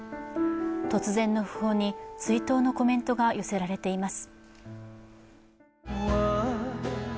突然の訃報に追悼のコメントが寄せられています。